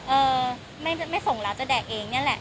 เออไม่ส่งแล้วจะแดกเองนี่แหละ